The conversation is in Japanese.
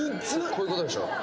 こういうことでしょ